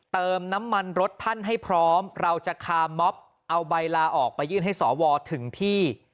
เติมน้ำมันรถท่านให้พร้อมเราจะคาร์มอบเอาใบลาออกไปยื่นให้สวถึงที่